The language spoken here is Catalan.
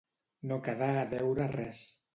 No quedar a deure res.